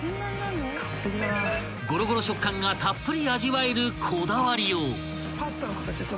［ゴロゴロ食感がたっぷり味わえるこだわりよう］